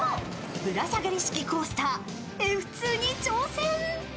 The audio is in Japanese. ぶら下がり式コースターＦ２に挑戦。